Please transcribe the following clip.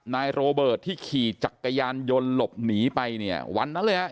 นายโรเบิร์ตที่ขี่จักรยานยนต์หลบหนีไปเนี่ยวันนั้นเลยฮะ